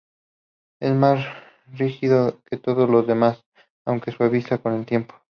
Es más rígido que todos los demás, aunque se suaviza con el tiempo.